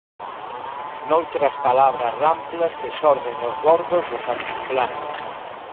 Noutras palabras ramplas que xorden nos bordos dos altiplanos.